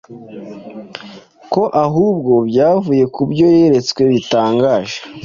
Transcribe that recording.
ko ahubwo byavuye ku byo yeretswe bitangaje.